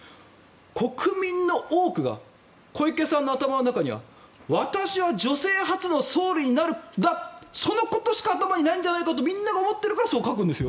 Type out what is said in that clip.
国民の多くが小池さんの頭の中には私は女性初の総理になるそのことしか頭にないんじゃないかと思っているからそう書くんですよ。